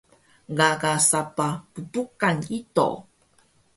Gaga sapah ppuqan ido